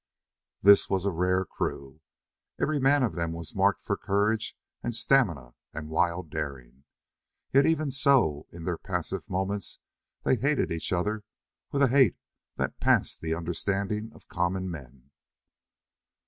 This was a rare crew. Every man of them was marked for courage and stamina and wild daring. Yet even so in their passive moments they hated each other with a hate that passed the understanding of common men.